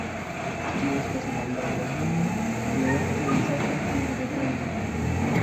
Ĝi estas mallonga himno, plej ofte uzata fine de preĝo.